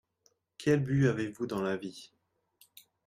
Quel but avez-vous dans la vie ?